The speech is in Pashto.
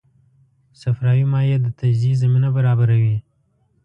صفراوي مایع د تجزیې زمینه برابروي.